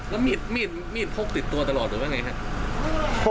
แล้วมีดพกติดตัวตลอดหรือว่าไงครับ